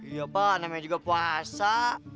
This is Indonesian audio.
iya pak namanya juga puasa